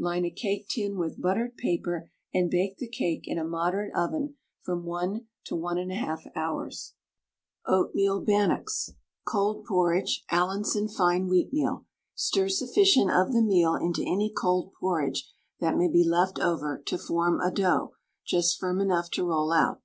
Line a cake tin with buttered paper, and bake the cake in a moderate oven from 1 to 1 1/2 hours. OATMEAL BANNOCKS. Cold porridge, Allinson fine wheatmeal. Stir sufficient of the meal into any cold porridge that may be left over to form a dough just firm enough to roll out.